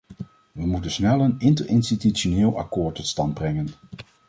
We moeten snel een interinstitutioneel akkoord tot stand brengen.